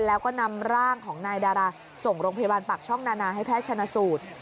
แล้วก็นำร่างของนายดาราส่งโรงพยาบาลปากช่องนานาให้แพทย์ชนะสูตร